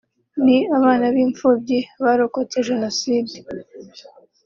ni abana b’imfubyi barokotse Jenoside